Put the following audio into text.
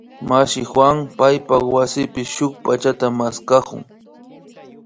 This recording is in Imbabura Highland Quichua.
Mashi Juan paypak wasipi shuk pachata maskakun